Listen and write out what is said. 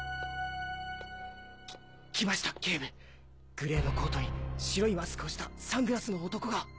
グレーのコートに白いマスクをしたサングラスの男が。